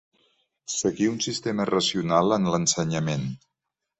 Seguir un sistema racional en l'ensenyament.